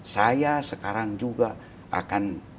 saya sekarang juga akan